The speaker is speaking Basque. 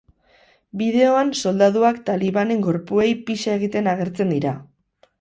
Bideoan soldaduak talibanen gorpuei pixa egiten agertzen dira.